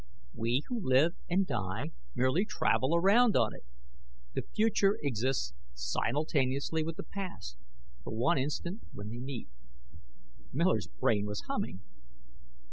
We who live and die merely travel around on it. The future exists simultaneously with the past, for one instant when they meet." Miller's brain was humming.